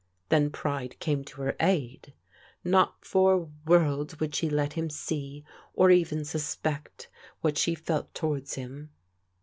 Then pride came to her aid. Not for worlds would she let him see, or even suspect, what she felt towards him.